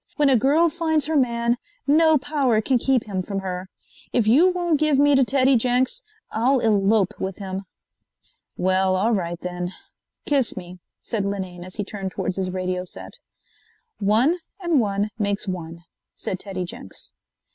"When a girl finds her man, no power can keep him from her. If you won't give me to Teddy Jenks, I'll elope with him." "Well, all right then. Kiss me," said Linane as he turned towards his radio set. "One and one makes one," said Teddy Jenks.